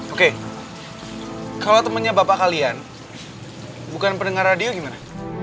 oke kalau temennya bapak kalian bukan pendengar radio gimana